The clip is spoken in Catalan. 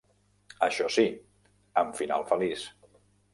Això si, amb final feliç.